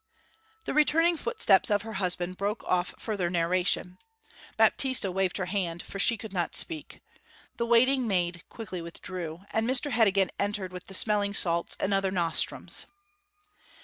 The returning footsteps of her husband broke off further narration. Baptista waved her hand, for she could not speak. The waiting maid quickly withdrew, and Mr Heddegan entered with the smelling salts and other nostrums.